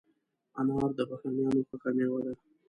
انار د بهرنیانو خوښه مېوه ده.